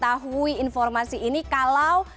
tidak mengetahui informasi ini kalau